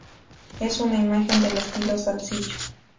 Es una imagen de estilo salzillo.